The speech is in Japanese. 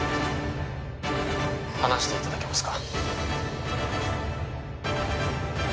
離していただけますか